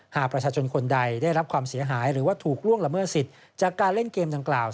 หากประชาชนคนใดได้รับความเสียหายหรือว่าถูกล่วงละเมิดสิทธิ์จากการเล่นเกมดังกล่าว